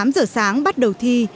tám giờ sáng bắt đầu thi